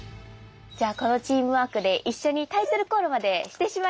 じゃあこのチームワークで一緒にタイトルコールまでしてしまいましょうか。